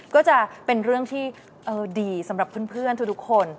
ก็จะเป็นเรื่องที่ดีสำหรับเพื่อนทุกคน